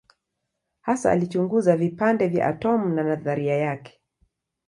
Hasa alichunguza vipande vya atomu na nadharia yake.